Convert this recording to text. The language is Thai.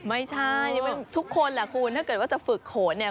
ไม่ใช่ทุกคนแหละคุณถ้าเกิดว่าจะฝึกโขนเนี่ย